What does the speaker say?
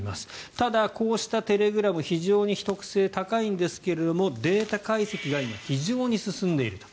ただ、こうしたテレグラム非常に秘匿性が高いんですがデータ解析が今非常に進んでいると。